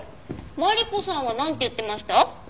マリコさんはなんて言ってました？